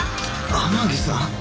天樹さん？